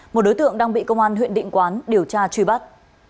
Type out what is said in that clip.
một đối tượng đang bị công an huyện định quán điều tra truy bắt